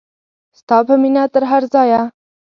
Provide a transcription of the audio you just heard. ستا په مینه تر هر ځایه.